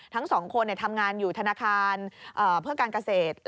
ทั้งสองคนทำงานอยู่ธนาคารเพื่อการเกษตร